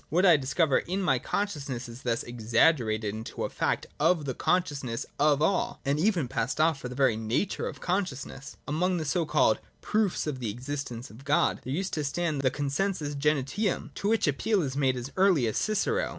What I discover in my consciousness is thus exaggerated into a fact of the consciousness of all, and even passed off for the very nature of con sciousness. Among the so called proofs of the existence of God, there used to stand the consensus gentium, to which appeal is made as early as Cicero.